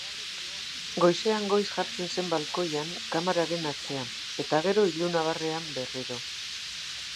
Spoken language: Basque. Goizean goiz jartzen zen balkoian kamararen atzean eta gero ilunabarrean berriro.